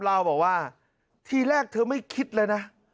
เล่าบอกว่าทีแรกเธอไม่คิดเลยนะ